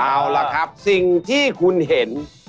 เอาล่ะครับสิ่งที่คุณเห็น